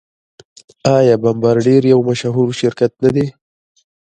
آیا بمبارډیر یو مشهور شرکت نه دی؟